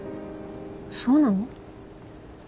そうなの？